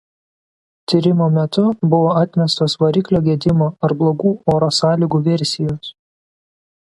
Tyrimo metu buvo atmestos variklio gedimo ar blogų oro sąlygų versijos.